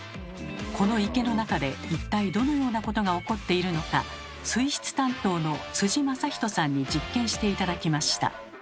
この池の中で一体どのようなことが起こっているのか水質担当の正仁さんに実験して頂きました。